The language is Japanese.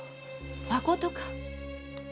まことか？